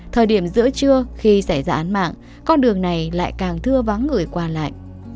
thời điểm giữa trưa khi xảy ra án mạng con đường này lại càng thưa vắng người qua lại